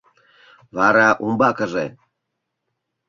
— Вара, умбакыже?